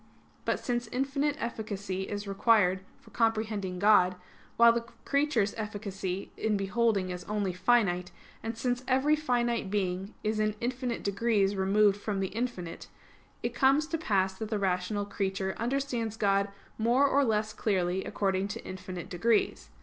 But since infinite efficacy is required for comprehending God, while the creature's efficacy in beholding is only finite; and since every finite being is in infinite degrees removed from the infinite; it comes to pass that the rational creature understands God more or less clearly according to infinite degrees.